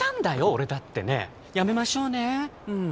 俺だってね「やめましょうねうん」